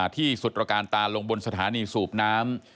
ที่สุดตรการตาลงบนสถานีสูบน้ำ